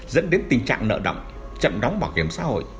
dẫn đến tình trạng nợ động chậm đóng bảo hiểm xã hội